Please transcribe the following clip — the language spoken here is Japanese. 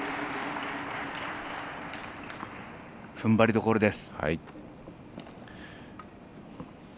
ふんばりどころです。